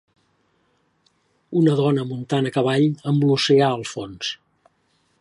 Una dona muntant a cavall amb l'oceà al fons.